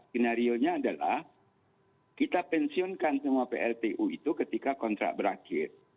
skenario nya adalah kita pensiunkan semua pltu itu ketika kontrak berakhir